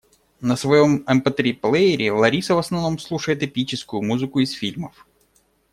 На своём МП-три-плеере Лариса в основном слушает эпическую музыку из фильмов.